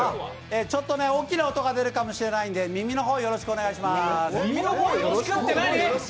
ちょっと大きな音が出るかもしれないので耳の方、よろしくお願いします。